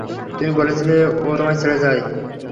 তুমি বলেছিলে ও তোমায় ছেড়ে চলে যায়।